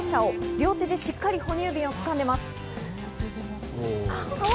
両手でしっかり哺乳瓶を掴んでいます。